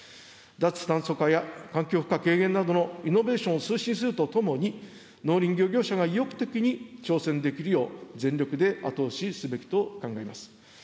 脱酸素化や環境負荷軽減のためのイノベーションを推進するとともに、農林漁業者が意欲的に挑戦できるよう、全力で後押しすべきと考えます。